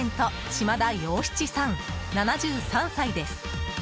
島田洋七さん、７３歳です。